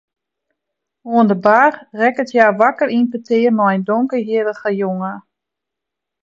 Oan de bar rekket hja wakker yn petear mei in donkerhierrige jonge.